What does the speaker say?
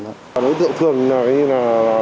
nói tượng thường như là